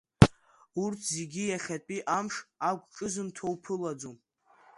Урҭ зегьы иахьатәи амш ақәҿызымҭуа уԥылаӡом.